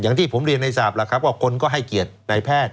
อย่างที่ผมเรียนให้ทราบล่ะครับว่าคนก็ให้เกียรตินายแพทย์